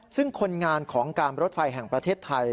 ซึ่งคนงานของการรถไฟแห่งประเทศไทย